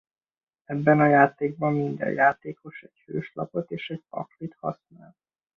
Ebben a játékban minden játékos egy hős lapot és egy paklit használ.